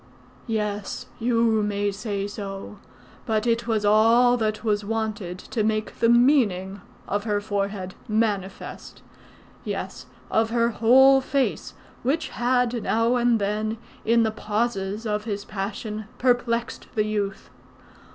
"Yes. You may say so. But it was all that was wanted to make the meaning of her forehead manifest yes, of her whole face, which had now and then, in the pauses of his passion, perplexed the youth.